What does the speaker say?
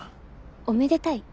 おめでたい？